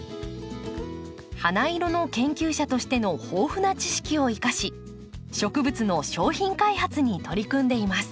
花色の研究者としての豊富な知識を生かし植物の商品開発に取り組んでいます。